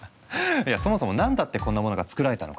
いやそもそも何だってこんなものが作られたのか？